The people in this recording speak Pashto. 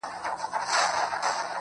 چې بې پښتو شي د رورۍ دې الله بيخ اوباسي